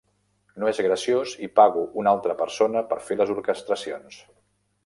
No és graciós i pago una altra persona per fer les orquestracions!